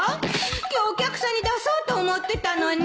今日お客さんに出そうと思ってたのに